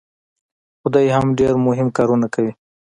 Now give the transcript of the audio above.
خو دی هم ډېر مهم کارونه کوي.